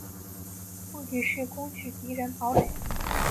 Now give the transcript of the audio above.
目的是攻取敌人堡垒。